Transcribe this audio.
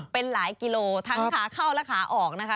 เป็นหลายกิโลทั้งขาเข้าและขาออกนะคะ